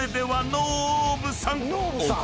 ノーブさん。